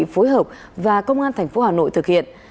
phối hợp và công an tp hà nội thực hiện